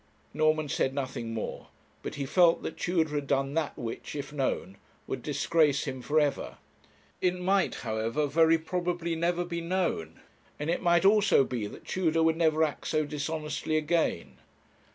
Norman said nothing more; but he felt that Tudor had done that which, if known, would disgrace him for ever. It might, however, very probably never be known; and it might also be that Tudor would never act so dishonestly again.